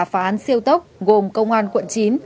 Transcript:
phá án siêu tốc gồm công an quận chín